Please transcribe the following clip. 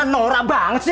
nora banget sih